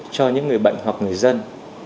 cho những người bệnh hoặc người dân